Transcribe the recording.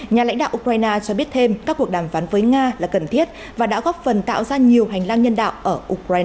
nhà lãnh đạo ukraine cho biết thêm các cuộc đàm phán với nga là cần thiết và đã góp phần tạo ra nhiều hành lang nhân đạo ở ukraine